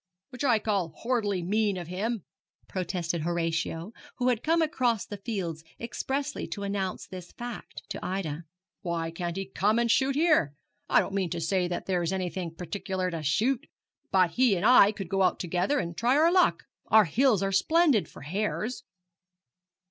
'Which I call horridly mean of him,' protested Horatio, who had come across the fields expressly to announce this fact to Ida. 'Why can't he come and shoot here? I don't mean to say that there is anything particular to shoot, but he and I could go out together and try our luck. Our hills are splendid for hares.'